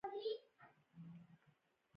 تشویش او غصه مه کوه، حوصله کوه او صبر وکړه.